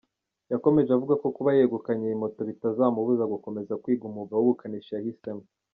Yakomeje avuga ko kuba yegukanye iyi moto bitazamubuza gukomeza kwiga umwuga w’ubukanishi yahisemo.